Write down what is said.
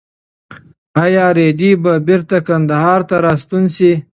ایا رېدی به بېرته کندهار ته راستون شي؟